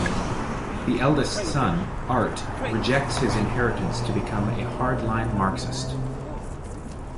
The eldest son, Art, rejects his inheritance to become a hard-line Marxist.